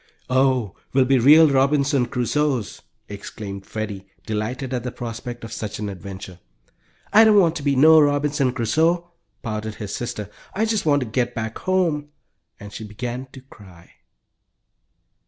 "Oh, we'll be real Robinson Crusoes!" exclaimed Freddie, delighted at the prospect of such an adventure. "I don't want to be no Robinson Crusoe!" pouted his sister. "I just want to get back home," and she began to cry.